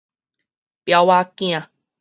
婊子囝